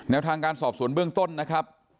ทางการสอบสวนเบื้องต้นนะครับ